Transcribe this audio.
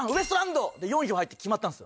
４票入って決まったんすよ